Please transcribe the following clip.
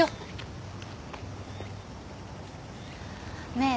ねえ？